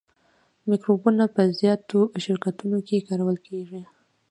مکروبونه په زیاتو شرکتونو کې کارول کیږي.